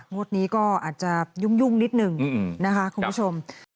งวดนี้ก็อาจจะยุ่งนิดหนึ่งนะคะคุณผู้ชม